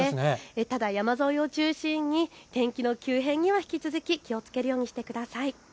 ただ山沿いを中心に天気の急変には引き続き気をつけるようにしてください。